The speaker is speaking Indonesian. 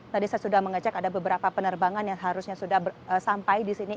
tadi saya sudah mengecek ada beberapa penerbangan yang harusnya sudah sampai di sini